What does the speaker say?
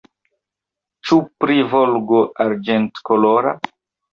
Ĉu pri Volgo arĝentkolora?